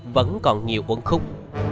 vẫn còn nhiều cuốn khúc